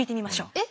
えっ。